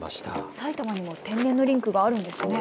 埼玉にも天然のリンクがあるんですね。